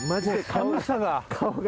寒さが。